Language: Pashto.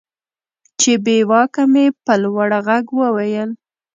چې بېواكه مې په لوړ ږغ وويل.